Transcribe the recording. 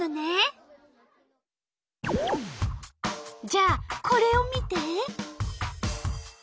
じゃあこれを見て！